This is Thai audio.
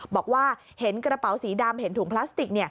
บอกว่าเห็นกระเป๋าสีดำเห็นถุงพลาสติก